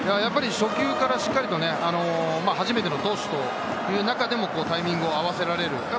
初球からしっかりと初めての投手という中でもタイミングを合わせられる。